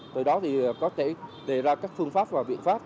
từ đó có thể đề ra các phương pháp và viện pháp